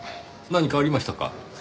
何かありましたか？